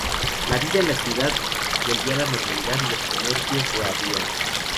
La vida en la ciudad volvió a la normalidad y los comercios reabrieron.